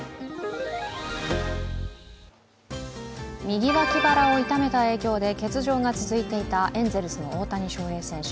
右脇腹を痛めた影響で欠場が続いていたエンゼルスの大谷翔平選手。